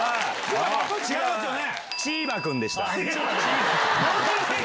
違いますよね？